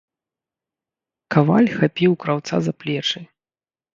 Каваль хапіў краўца за плечы.